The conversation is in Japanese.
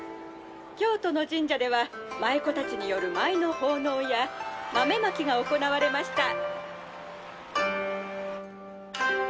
京都の神社では舞妓たちによる舞の奉納や豆まきが行われました」。